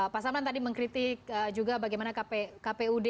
pak samran tadi mengkritik juga bagaimana kpud